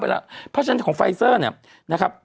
เพราะฉะนั้นของไฟเซอร์เนี่ยนะครับ